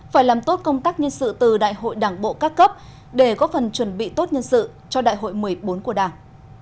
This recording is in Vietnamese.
phải làm tốt công tác nhân sự từ đại hội đảng bộ các cấp để có phần chuẩn bị tốt nhân sự cho đại hội một mươi bốn của đảng